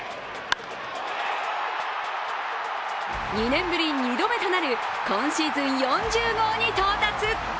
２年ぶり２度目となる今シーズン４０号に到達！